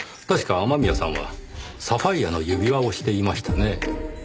確か雨宮さんはサファイアの指輪をしていましたねぇ。